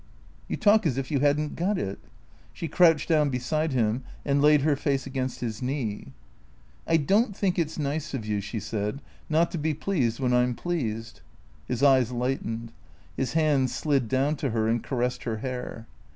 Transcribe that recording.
" You talk as if you had n't got it." She crouched down beside him and laid her face against his knee. " I don't think it 's nice of you," she said, " not to be pleased when I 'm pleased." His eyes lightened. His hand slid down to her and caressed her hair.